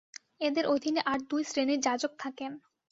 এঁদের অধীনে আর দুই শ্রেণীর যাজক থাকেন।